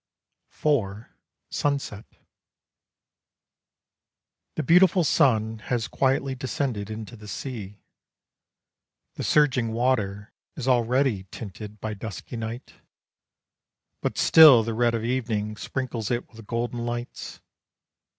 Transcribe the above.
IV. SUNSET. The beautiful sun Has quietly descended into the sea. The surging water is already tinted By dusky night But still the red of evening Sprinkles it with golden lights.